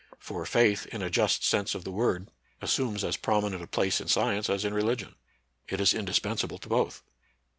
For faith, in a just sense of the word, assumes as promineiit a place in science as in religion. It is indispensable to both.